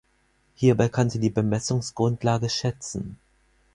Hierbei kann sie die Bemessungsgrundlage schätzen.